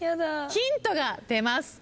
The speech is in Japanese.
ヒントが出ます。